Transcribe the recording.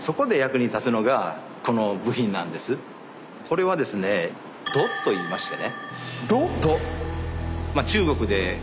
これはですね「弩」といいましてね。